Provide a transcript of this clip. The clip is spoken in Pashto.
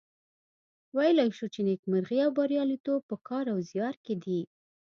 ویلای شو چې نیکمرغي او بریالیتوب په کار او زیار کې دي.